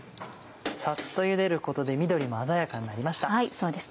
サッとゆでることで緑も鮮やかになりました。